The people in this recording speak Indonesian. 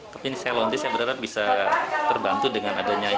tapi ini saya launtis saya berharap bisa terbantu dengan adanya ini